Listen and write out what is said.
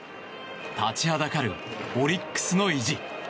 立ちはだかるオリックスの意地。